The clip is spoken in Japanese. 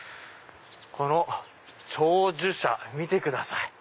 この手水舎見てください。